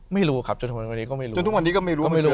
ไม่รู้ครับจนถึงวันนี้ก็ไม่รู้